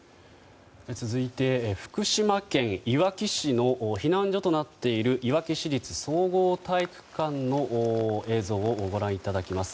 続いて、福島県いわき市の避難所となっているいわき市立総合体育館の映像をご覧いただきます。